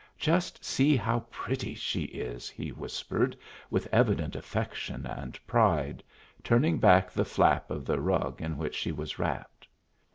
"Just see how pretty she is!" he whispered, with evident affection and pride, turning back the flap of the rug in which she was wrapped.